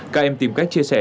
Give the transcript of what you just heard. các em tìm cách chia sẻ